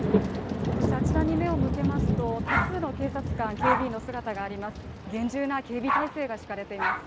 そしてあちらに目を向けますと多数の警察官、警備員の姿が見えます。